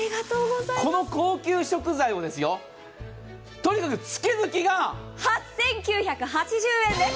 この高級食材をとにかく月々が８９８０円です。